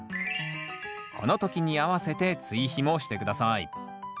この時に合わせて追肥もして下さい。